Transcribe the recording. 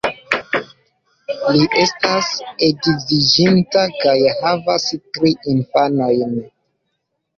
Li estas edziĝinta kaj havas tri infanojn.